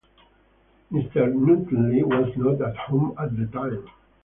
Mr Ntuli was not at home at the time.